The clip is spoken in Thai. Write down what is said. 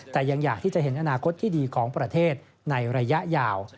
แต่ยังอยากที่จะเห็นอนาคตที่ดีของประเทศในระยะยาว